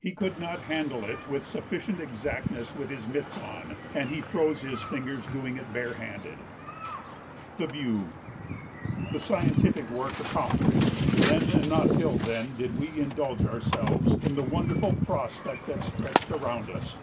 He could not handle it with sufficient exactness with his mitts on, and he froze his fingers doing it barehanded. [Sidenote: The View] The scientific work accomplished, then and not till then did we indulge ourselves in the wonderful prospect that stretched around us.